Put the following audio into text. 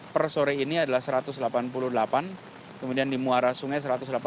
per sore ini adalah satu ratus delapan puluh delapan kemudian di muara sungai satu ratus delapan puluh